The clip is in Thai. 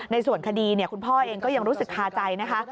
ในส่วนคดีคุณพ่อเองก็ยังรู้สึกคาใจนะคะ